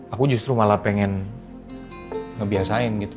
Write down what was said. aku justru malah pengen ngebiasain gitu